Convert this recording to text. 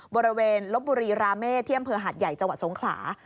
บริเวณลบบุรีราเมฆเที่ยมเผลอหาดใหญ่จศสงขลา